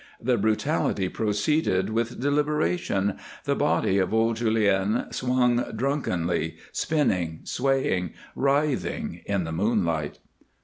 The brutality proceeded with deliberation, the body of old Julien swung drunkenly, spinning, swaying, writhing in the moonlight.